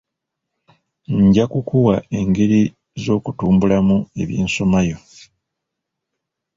Nja kukuwa engeri z'okutumbulamu eby'ensomaayo.